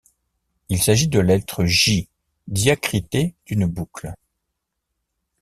Il s'agit de la lettre J diacritée d’une boucle.